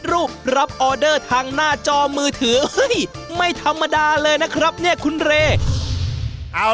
แล้วเราจะเปิดคุณไฟ